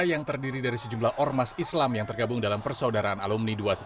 yang terdiri dari sejumlah ormas islam yang tergabung dalam persaudaraan alumni dua ratus dua